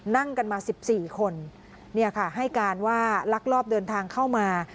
นั่งกันมา๑๔คนเนี่ยค่ะให้การว่าลักลอบเดินทางเข้ามา